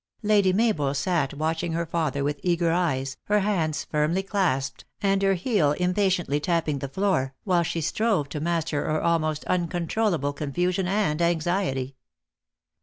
Lady Mabel sat watching her father with eager eyes, her hands firmly clasped, and her heel impatiently tapping the floor, while she strove to master her al most uncontrollable confusion and anxiety.